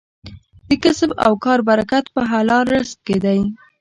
د کسب او کار برکت په حلال رزق کې دی.